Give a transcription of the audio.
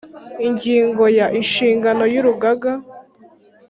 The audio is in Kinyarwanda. Ingingo ya Inshingano yurugaga